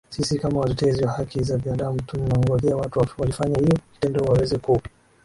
sisi kama watetezi wa haki za binadamu tunagojea watu walifanya hiyo kitendo waweze ku